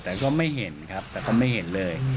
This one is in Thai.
แต่ก็ไม่เห็นครับแต่ก็ไม่เห็นเลย